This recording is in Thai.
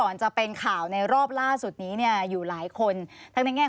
ในฝั่งของผู้เสียหายจะมีตัวแม่